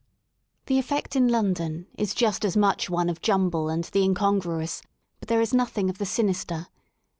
The effect in London is just as much one of jumble and the incongruous, but there is nothing of the sinister.